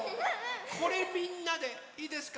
これみんなでいいですか？